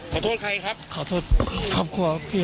นั่งรถอะไรครับเนี่ย